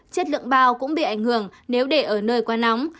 chất lượng bao cũng bị ảnh hưởng nếu để ở nơi quá nóng